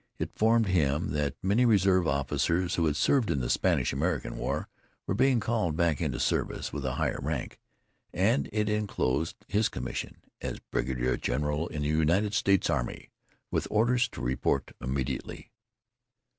It informed him that many reserve officers who had served in the Spanish American War were being called back into service with a higher rank, and it enclosed his commission as brigadier general in the United States army with orders to report immediately.